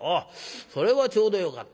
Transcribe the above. それはちょうどよかった。